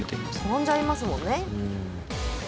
転んじゃいますもんね。